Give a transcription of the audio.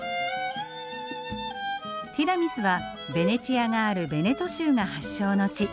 ティラミスはベネチアがあるヴェネト州が発祥の地。